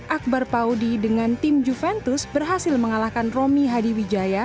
akbar paudi dengan tim juventus berhasil mengalahkan romy hadiwijaya